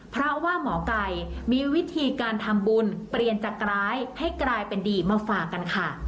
เพราะว่าหมอไก่มีวิธีการทำบุญเปลี่ยนจากร้ายให้กลายเป็นดีมาฝากกันค่ะ